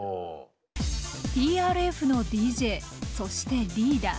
ＴＲＦのＤＪそしてリーダー。